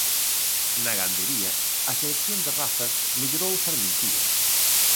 Na gandería, a selección de razas mellorou os armentíos.